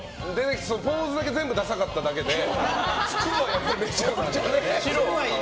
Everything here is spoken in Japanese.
ポーズだけ全部ダサかっただけで服はめちゃくちゃね。